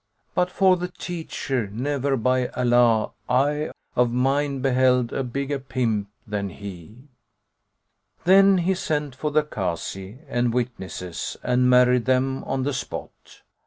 But for the teacher ne'er, by Allah, eye * Of mine beheld a bigger pimp than he!" Then he sent for the Kazi and witnesses and married them on the spot.